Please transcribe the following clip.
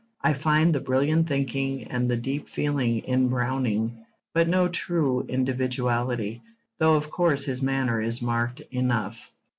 I find the brilliant thinking and the deep feeling in Browning, but no true individuality though of course his manner is marked enough.